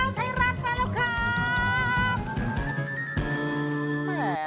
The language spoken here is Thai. สีสันข่าวเช้าไทยรัฐมาแล้วครับ